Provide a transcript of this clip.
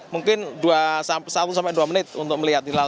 mungkin satu sampai dua menit untuk melihat hilal